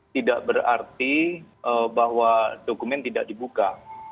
tidak berarti bahwa dokumen tidak dibuka